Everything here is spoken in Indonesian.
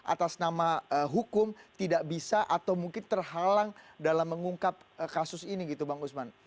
atas nama hukum tidak bisa atau mungkin terhalang dalam mengungkap kasus ini gitu bang usman